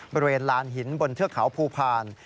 บริเวณลานหินบนเทือกเขาภูพาล